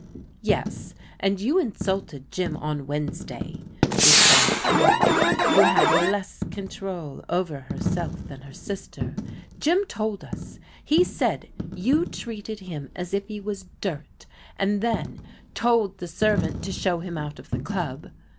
" Yes, and you insulted Jim on Wednesday," replied Emily, who had less control over herself than her sister. " Jim told us. He said you treated him as if he was dirt, and then told the servant to show him out of the club.